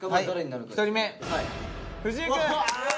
１人目藤井くん。